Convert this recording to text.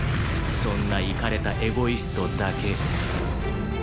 そんなイカれたエゴイストだけ。